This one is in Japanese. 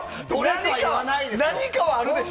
何かはあるでしょう。